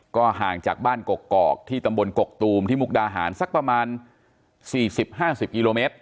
ก็ห่างจากบ้านกกอกที่ตำบลกกตูมที่มุกดาหารสักประมาณ๔๐๕๐กิโลเมตร